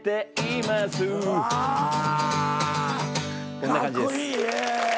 こんな感じです。